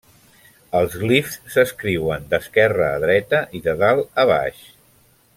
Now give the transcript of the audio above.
Els glifs s'escriuen d'esquerra a dreta, i de dalt a baix.